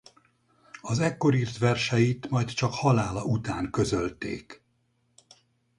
Az ekkor írt verseit majd csak halála után közölték.